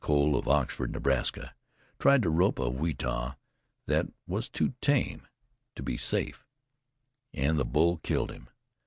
Cole, of Oxford, Nebraska, tried to rope a Weetah that was too tame to be safe, and the bull killed him.